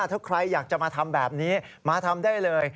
ถ้าใครอยากจะมาทำแบบนี้มาทำได้เลย